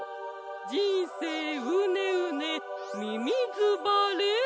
じんせいうねうねみみずばれ！